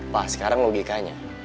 pak sekarang logikanya